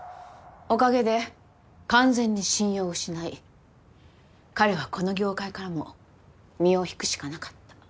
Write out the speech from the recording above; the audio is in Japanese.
おかげで完全に信用を失い彼はこの業界からも身を引くしかなかった。